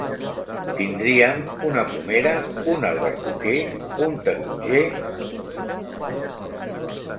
Tindríem una pomera, un albercoquer, un taronger...